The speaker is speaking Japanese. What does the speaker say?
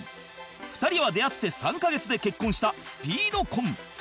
２人は出会って３カ月で結婚したスピード婚